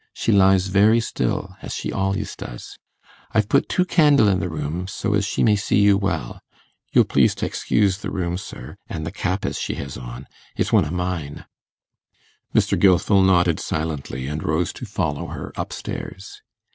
She lies very still, as she al'ys does. I've put two candle i' the room, so as she may see you well. You'll please t' excuse the room, sir, an' the cap as she has on; it's one o' mine.' Mr. Gilfil nodded silently, and rose to follow her up stairs.